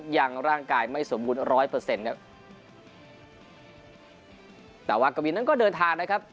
ร่างกายไม่สมบูรณร้อยเปอร์เซ็นต์ครับแต่ว่ากวินนั้นก็เดินทางนะครับ